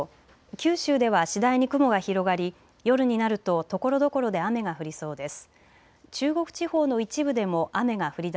九州では次第に雲が広がり夜になるとところどころで雨が降りそうです。